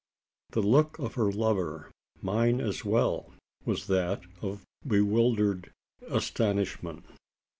The look of her lover mine as well was that of bewildered astonishment.